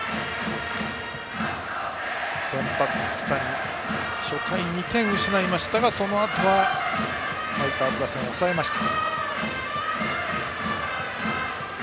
先発、福谷は初回２点失いましたがそのあとはファイターズ打線を抑えました。